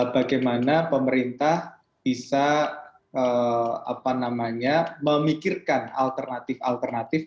bagaimana pemerintah bisa memikirkan alternatif alternatif